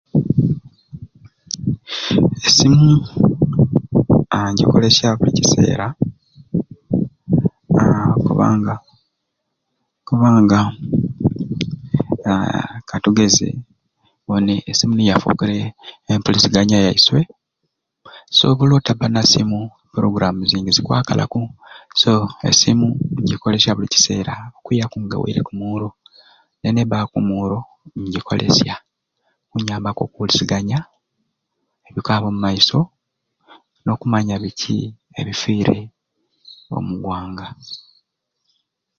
Esimu haa ngyikolesya buli kiseera haa kubanga kubanga haa katugeze buni esimu yafukire mpuliziganya yaiswe so buli lwotaba na simu e program zingi zikwakalaku so esimu ngyikolseya buli kiseera okwiyaku nga ewereku omuro naye nebaku omuro ngyikolesya enyambaku omu mpuliziganya okwaba omu maiso nokumanya biki ebireire omu gwanga